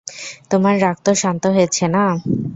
তোমার রাগ তো শান্ত হয়েছে, না?